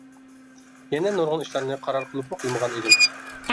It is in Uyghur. يەنە نۇرغۇن ئىشلارنى قارار قىلىپمۇ قىلمىغان ئىدىم.